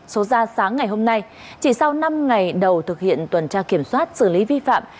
số ra sáng ngày hôm nay chỉ sau năm ngày đầu thực hiện tuần tra kiểm soát xử lý vi phạm